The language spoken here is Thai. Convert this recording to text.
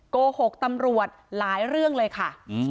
โกหกตำรวจหลายเรื่องเลยค่ะ